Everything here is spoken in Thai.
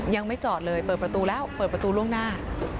ยังไม่จอดเลยเปิดประตูแล้วเปิดประตูล่วงหน้า